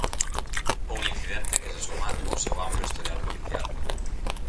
Un incidente que se suma ao seu amplo historial policial.